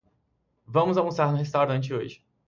Vamos almoçar no restaurante hoje.